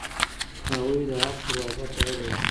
هغوی د حق دروازه تړلې وه.